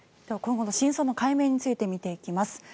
今後の真相の解明について見ていきます。